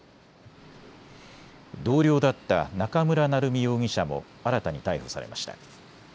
同僚だった中村成美容疑者も新たに逮捕されました。